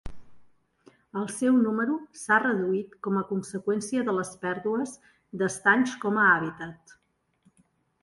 El seu número s'ha reduït com a conseqüència de les pèrdues d'estanys com a habitat.